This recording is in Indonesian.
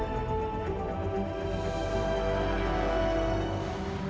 aku mau pergi